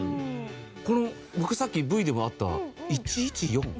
この僕さっきＶでもあった１１４？